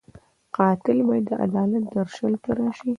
قاتل باید د عدالت درشل ته راشي